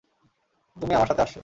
তুমি আমার সাথে আসছ।